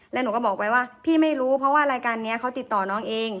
แล้วหนูก็บอกไว้ว่าพี่ไม่รู้เพราะว่ารายการนี้เขาติดต่อน้องเอง